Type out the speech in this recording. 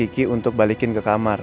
kok bisa gak ada